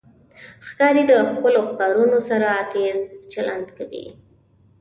ښکاري د خپلو ښکارونو سره تیز چلند کوي.